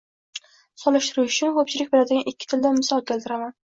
Solishtirish uchun koʻpchilik biladigan ikki tildan misol keltiraman